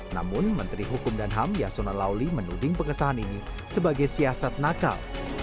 namun menteri hukum dan ham yasona lauli menuding pengesahan ini sebagai siasat nakal